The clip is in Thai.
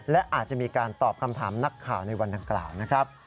และอาจจะมีการตอบคำถามนักข่าวในวันดังกล่าวนะครับ